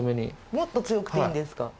もっと強くていいんですか？